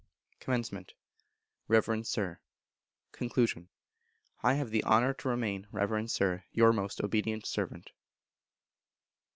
Comm. Reverend Sir. Con. I have the honour to remain, Reverend Sir, Your most obedient servant.